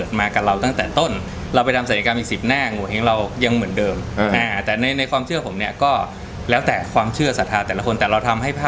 อย่าไปรู้เชื่อพี่เดี๋ยวมันจะดราม่า